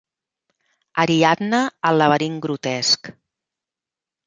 Ariadna al laberint grotesc.